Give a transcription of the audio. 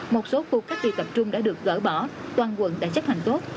một số khu cách ly tập trung đã được gỡ bỏ toàn quận đã chấp hành tốt